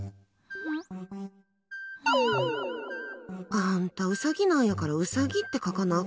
あんた、ウサギなんやからウサギって書かなあ